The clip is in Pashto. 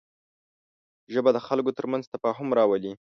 ژبه د خلکو تر منځ تفاهم راولي